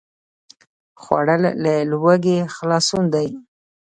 خوړل له لوږې خلاصون دی